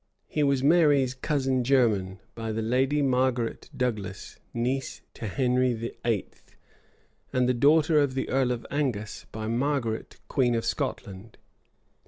He was Mary's cousin german, by the lady Margaret Douglas, niece to Henry VIII., and daughter of the earl of Angus, by Margaret, queen of Scotland.